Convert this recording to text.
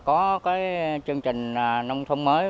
từ ngày có chương trình nông thôn mới